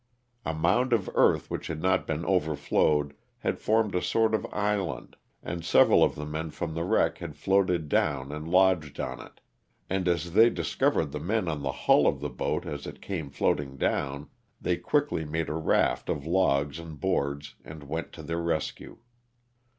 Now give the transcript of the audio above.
A mound of earth which had not been overflowed had formed a sort of island, and several of the men from the wreck had floated down and lodged on it, and as they discovered the men on the hull of the boat, as it came floating down, they quickly made a raft of logs and boards and went to their rescue.